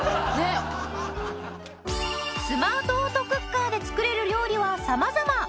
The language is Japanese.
スマートオートクッカーで作れる料理は様々！